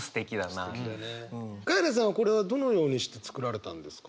カエラさんはこれはどのようにして作られたんですか？